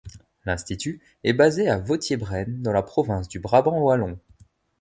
L'institut est basé à Wauthier-Braine dans la Province du Brabant wallon.